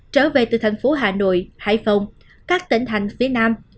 trở về từ thành phố hà nội hải phòng các tỉnh thành phía nam